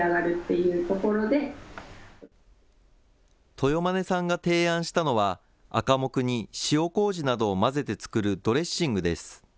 豊間根さんが提案したのは、アカモクに塩こうじなどを混ぜて作るドレッシングです。